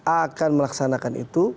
akan melaksanakan itu